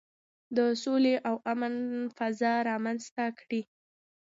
د سولې او امن فضا رامنځته کړئ.